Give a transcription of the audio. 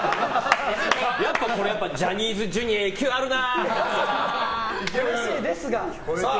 やっぱ、ジャニーズＪｒ．勢いあるな。